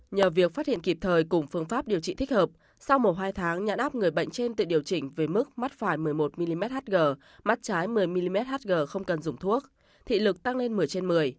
nhờ việc phát hiện kịp thời cùng phương pháp điều trị thích hợp sau một hai tháng nhãn áp người bệnh trên tự điều chỉnh về mức mắt phải một mươi một mm hg mắt trái một mươi mm hg không cần dùng thuốc thị lực tăng lên một mươi trên một mươi